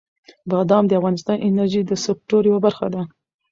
بادام د افغانستان د انرژۍ د سکتور یوه برخه ده.